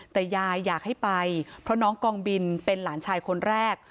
แต่ยายอยากให้ไปเพราะน้องกองบินเป็นหลานชายคนแรก